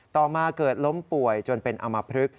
ต่อมาเกิดล้มป่วยจนเป็นอมพลึก